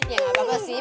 ya gapapa sih